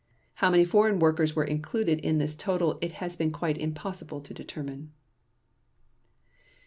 How many foreign workers were included in this total it has been quite impossible to determine.